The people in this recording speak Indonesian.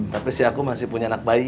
tapi si aku masih punya anak bayi